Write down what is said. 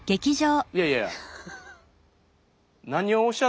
いやいや。